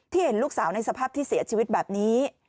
เห็นลูกสาวในสภาพที่เสียชีวิตแบบนี้